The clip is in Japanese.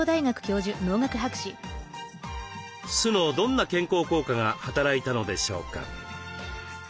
酢のどんな健康効果が働いたのでしょうか？